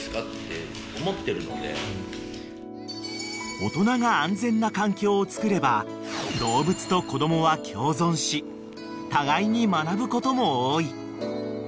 ［大人が安全な環境をつくれば動物と子供は共存し互いに学ぶことも多い］